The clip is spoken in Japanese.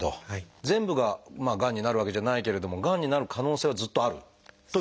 全部ががんになるわけじゃないけれどもがんになる可能性はずっとあるというような。